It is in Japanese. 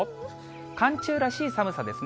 寒中らしい寒さですね。